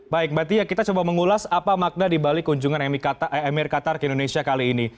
baik mbak tia kita coba mengulas apa makna dibalik kunjungan emir qatar ke indonesia kali ini